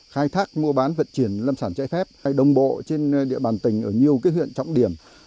khai thác mua bán vận chuyển lâm sản trái phép hay đồng bộ trên địa bàn tỉnh ở nhiều huyện trọng điểm